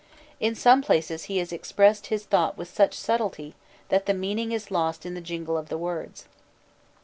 In some places he has expressed his thought with such subtlety, that the meaning is lost in the jingle of the words.